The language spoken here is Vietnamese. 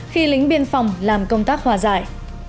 khi lính biên phòng làm công tác hòa giải